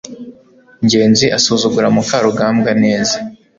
ngenzi asuzugura mukarugambwa neza